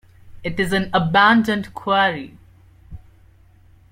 It is an abandoned Quarry.